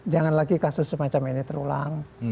jangan lagi kasus semacam ini terulang